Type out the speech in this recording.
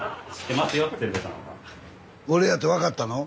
俺やて分かったの？